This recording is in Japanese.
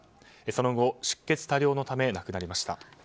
その後出血多量のため亡くなりました。